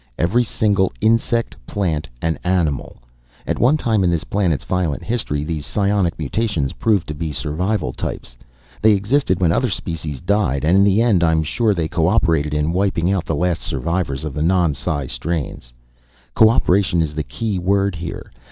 Every single insect, plant and animal. At one time in this planet's violent history these psionic mutations proved to be survival types. They existed when other species died, and in the end I'm sure they co operated in wiping out the last survivors of the non psi strains. Co operation is the key word here.